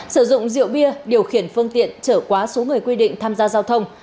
sử dụng rượu bia điều khiển phương tiện trở quá số người quy định tham gia giao thông